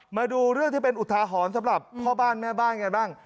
มาดูเรื่องที่เป็นอุทาหรณ์สำหรับพ่อบ้านแม่บ้านกันบ้าง